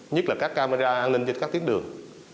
nhất là các camera an ninh trên các tiếng đường